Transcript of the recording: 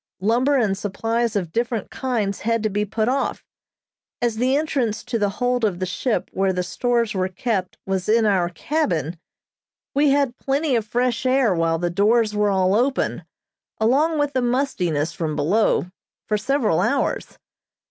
Lumber and supplies of different kinds had to be put off. As the entrance to the hold of the ship where the stores were kept was in our cabin, we had plenty of fresh air while the doors were all open, along with the mustiness from below, for several hours.